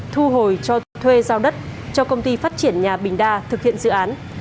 thu hồi cho thuê giao đất cho công ty phát triển nhà bình đa thực hiện dự án